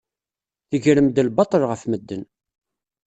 Tegrem-d lbaṭel ɣef medden.